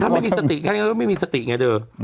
ถ้าไม่มีสติฉันก็ไม่มีสติไงเธอ